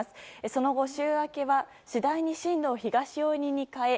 その後、週明けは次第に進路を東寄りに変え